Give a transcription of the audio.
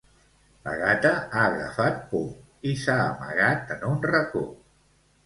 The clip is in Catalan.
La gata ha agafat por i s'ha amagat en un racó.